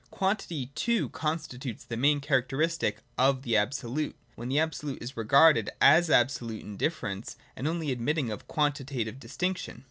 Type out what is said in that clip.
Quantity too constitutes the main charac teristic of the Absolute, when the Absolute is regarded as absolute indifference, and only admitting of quanti tative distinction.